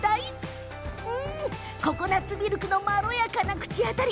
ココナツミルクのまろやかな口当たり